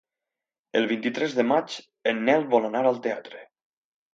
El vint-i-tres de maig en Nel vol anar al teatre.